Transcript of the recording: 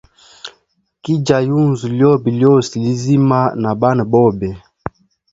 Kijya yunzu lyobe lyose lizima na bana bobe.